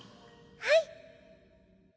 はい。